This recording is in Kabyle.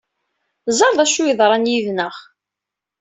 Ẓer d acu ɣ-yeḍran yid-neɣ.